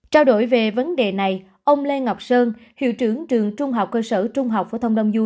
trao đổi về vấn đề này ông lê ngọc sơn hiệu trưởng trường trung học cơ sở trung học phổ thông đông du